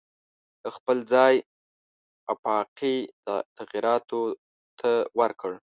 دا خپل ځای آفاقي تغییراتو ته ورکړ.